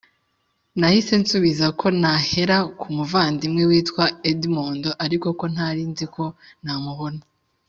Nahise nsubiza ko nahera ku muvandimwe witwa Edmundo ariko ko ntari nzi uko namubona